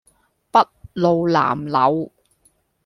篳路藍縷